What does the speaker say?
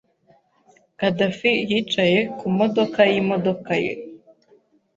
Khadafi yicaye ku modoka yimodoka ye.